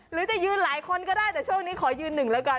หรือจะยืนหลายคนก็ได้แต่ช่วงนี้ขอยืนหนึ่งแล้วกัน